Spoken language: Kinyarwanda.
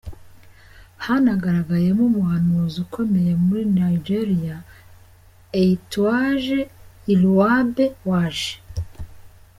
Hanagaragayemo umuhanzikazi ukomeye muri Nigeria Aituaje Iruobe ’Waje’.